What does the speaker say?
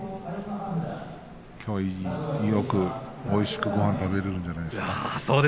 きょうはおいしくごはんが食べられるんじゃないですか。